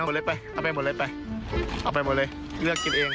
หมดเลยไปเอาไปหมดเลยไปเอาไปหมดเลยเลือกกินเอง